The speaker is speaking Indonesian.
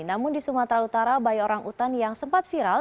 namun di sumatera utara bayi orang utan yang sempat viral